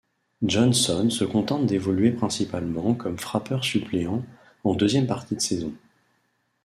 Johnson se contente d'évoluer principalement comme frappeur suppléant en deuxième partie de saison.